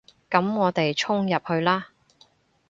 噉我哋衝入去啦